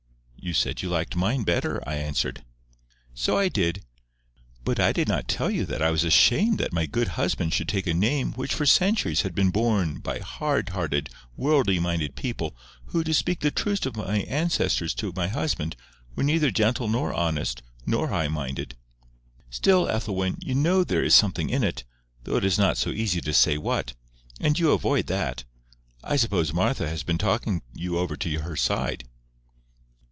"You said you liked mine better," I answered. "So I did. But I did not tell you that I was ashamed that my good husband should take a name which for centuries had been borne by hard hearted, worldly minded people, who, to speak the truth of my ancestors to my husband, were neither gentle nor honest, nor high minded." "Still, Ethelwyn, you know there is something in it, though it is not so easy to say what. And you avoid that. I suppose Martha has been talking you over to her side."